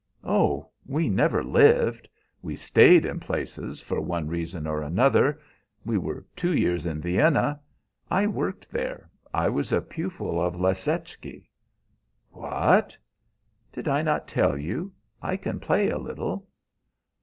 "Oh, we never lived. We stayed in places for one reason or another. We were two years in Vienna. I worked there. I was a pupil of Leschetizky." "What!" "Did I not tell you? I can play a little."